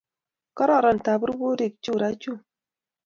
Kororon taborborik churachun